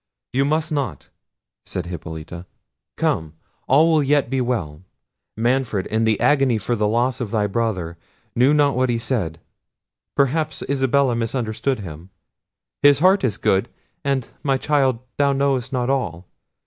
"You must not," said Hippolita—"come, all will yet be well. Manfred, in the agony for the loss of thy brother, knew not what he said; perhaps Isabella misunderstood him; his heart is good—and, my child, thou knowest not all!